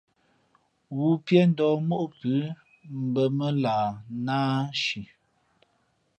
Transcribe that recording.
Wúpíéndα̌h móʼ pʉ̌ mbᾱ mά lah nāānshi.